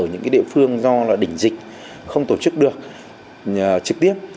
ở những địa phương do là đỉnh dịch không tổ chức được trực tiếp